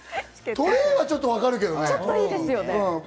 トレーはちょっとわかるけどね。